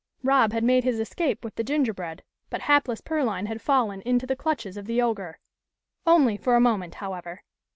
Rob had made his escape with the gingerbread, but hapless Pearline had fallen into the clutches of the ogre. Only for a moment, however.